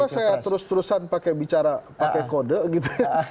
masa saya terus terusan pakai bicara pakai kode gitu ya